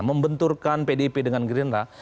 membenturkan pdp dengan green rat